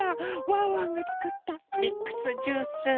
ワンワンがつくったミックスジュース。